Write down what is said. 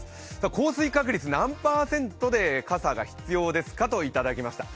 降水確率何パーセントで傘が必要ですかといただきました。